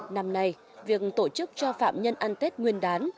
năm nay việc tổ chức cho phạm nhân ăn tết nguyên đán